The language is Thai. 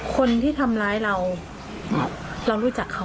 คนที่ทำร้ายเราเรารู้จักเขา